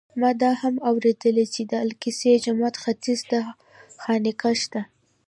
ما دا هم اورېدلي چې د الاقصی جومات ختیځ ته خانقاه شته.